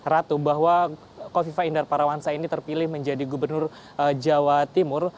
ratu bahwa kofifa indar parawansa ini terpilih menjadi gubernur jawa timur